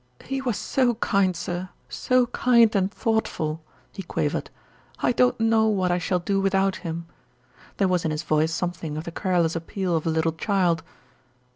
"He was so kind, sir, so kind and thoughtful," he quavered. "I don't know what I shall do without him." There was in his voice something of the querulous appeal of a little child.